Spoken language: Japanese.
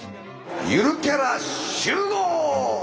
ゆるキャラ集合！